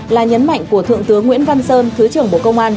là nhấn mạnh của thượng tướng nguyễn văn sơn thứ trưởng bộ công an